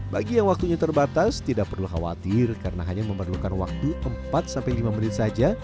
bagi yang waktunya terbatas tidak perlu khawatir karena hanya memerlukan waktu empat sampai lima menit saja